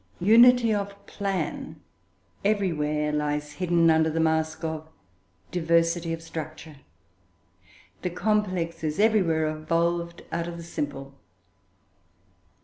Unity of plan everywhere lies hidden under the mask of diversity of structure the complex is everywhere evolved out of the simple.